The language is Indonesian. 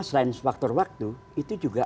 selain faktor waktu itu juga